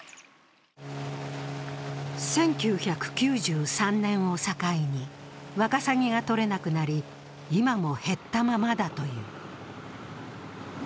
１９９３年を境に、ワカサギが取れなくなり、今も減ったままだという。